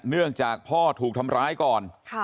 เนื่องจากพ่อถูกทำร้ายก่อน